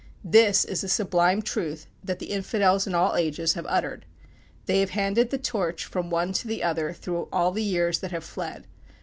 This is the sublime truth that the Infidels in all ages have uttered. They have handed the torch from one to the other through all the years that have fled.